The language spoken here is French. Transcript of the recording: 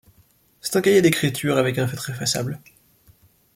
c'est un cahier d'écriture avec un feutre effaçable